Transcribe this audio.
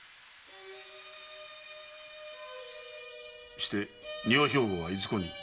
して丹羽兵庫はいずこに？